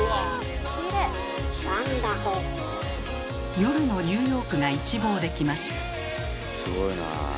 夜のニューヨークが一望できます。